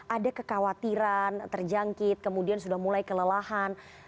ada kekhawatiran terjangkit kemudian sudah mulai kelelahan